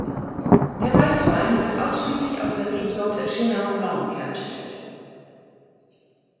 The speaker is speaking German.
Der Weißwein wird ausschließlich aus der Rebsorte Chenin Blanc hergestellt.